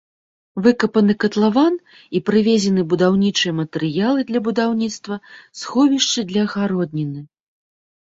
Выкапаны катлаван і прывезены будаўнічыя матэрыялы для будаўніцтва сховішчы для агародніны.